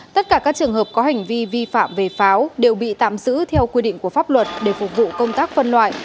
tất cả các trường hợp có hành vi vi phạm về pháo đều bị tạm giữ theo quy định của pháp luật để phục vụ công tác phân loại